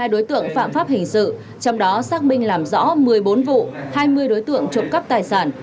hai mươi đối tượng phạm pháp hình sự trong đó xác minh làm rõ một mươi bốn vụ hai mươi đối tượng trộm cắp tài sản